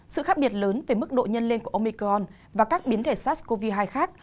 sự khác biệt lớn về mức độ nhân lên của omicron và các biến thể sars cov hai khác